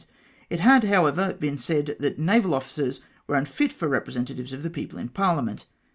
It had, however, been said, that naval officers were unfit for representatives of the people in parliament.